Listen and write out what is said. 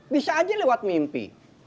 bisa aja lewat mimpi